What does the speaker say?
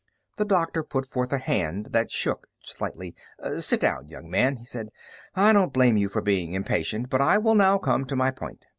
The doctor put forth a hand that shook slightly. "Sit down, young man," he said. "I don't blame you for being impatient, but I will now come to my point."